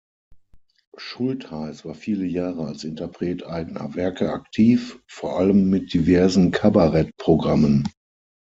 Schultheiss war viele Jahre als Interpret eigener Werke aktiv, vor allem mit diversen Kabarettprogrammen.